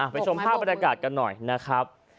ไปชมภาพบริการกันหน่อยนะครับ